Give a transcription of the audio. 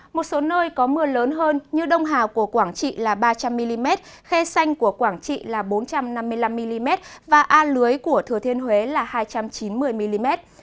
một số nơi có mưa lớn hơn như đông hà của quảng trị là ba trăm linh mm khê xanh của quảng trị là bốn trăm năm mươi năm mm và a lưới của thừa thiên huế là hai trăm chín mươi mm